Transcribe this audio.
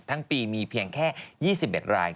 ทั้งปีมีเพียงแค่๒๑ราย